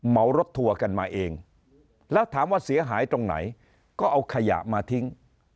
มารถทัวร์กันมาเองแล้วถามว่าเสียหายตรงไหนก็เอาขยะมาทิ้ง